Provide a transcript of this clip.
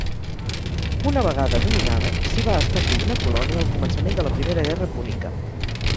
Una vegada dominada s'hi va establir una colònia al començament de la primera guerra púnica.